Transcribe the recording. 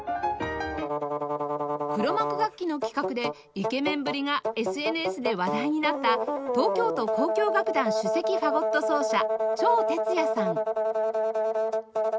黒幕楽器の企画でイケメンぶりが ＳＮＳ で話題になった東京都交響楽団首席ファゴット奏者長哲也さん